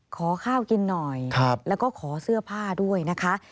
ขอข้าวกินหน่อยแล้วก็ขอเสื้อผ้าด้วยนะคะ